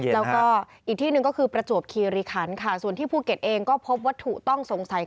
แล้วก็อีกที่หนึ่งก็คือประจวบคีย์ออริคัน